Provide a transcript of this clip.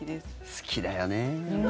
好きだよね。